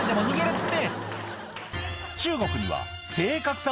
って